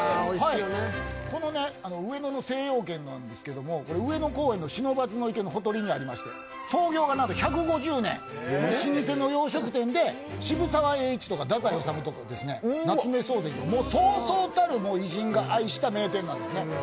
この上野の精養軒なんですけど上野公園の不忍池のほとりにありまして創業がなんと１５０年、老舗の洋食店で、渋沢栄一とか太宰治とか夏目漱石、そうそうたる偉人が愛した名店なんですね。